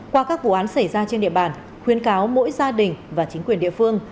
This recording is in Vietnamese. qua các vụ án xảy ra trên địa bàn khuyên cáo mỗi gia đình và chính quyền địa phương